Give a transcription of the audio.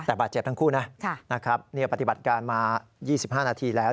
แต่บาดเจ็บทั้งคู่นะปฏิบัติการมา๒๕นาทีแล้ว